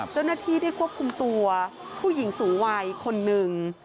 เจ้าหน้าที่ได้ควบคุมตัวผู้หญิงสูงวัยคนหนึ่ง